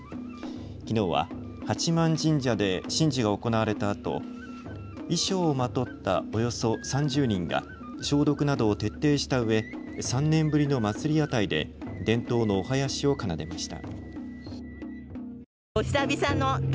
きのうは八幡神社で神事が行われたあと衣装をまとった、およそ３０人が消毒などを徹底したうえ、３年ぶりの祭り屋台で伝統のお囃子を奏でました。